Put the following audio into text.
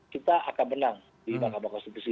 kita akan menang di mahkamah konstitusi